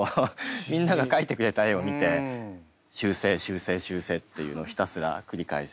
みんなが描いてくれた絵を見て修正修正修正っていうのをひたすら繰り返すっていう仕事です。